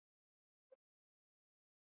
Bertsio beroagoa egingo dute?